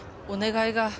お願いが。